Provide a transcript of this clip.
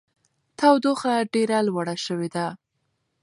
تودوخه ډېره لوړه شوې ده.